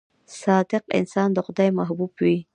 • صادق انسان د خدای محبوب وي.